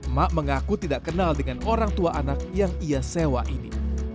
mak mengaku tidak kenal dengan orang tua anak yang ia sewa ini